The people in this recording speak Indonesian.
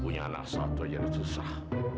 punya anak satu aja yang susah